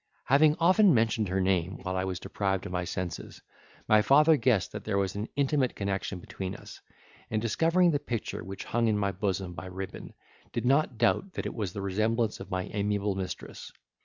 Having often mentioned her name while I was deprived of my senses, my father guessed that there was an intimate connection between us, and discovering the picture which hung in my bosom by ribbon, did not doubt that it was the resemblance of my amiable mistress.